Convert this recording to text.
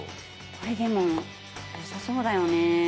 これでもよさそうだよねなんか。